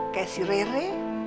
kayak si rere